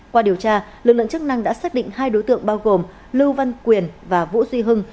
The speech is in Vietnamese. qua điều tra lực lượng chức năng đã xác định hai đối tượng bao gồm lưu văn quyền và vũ duy hưng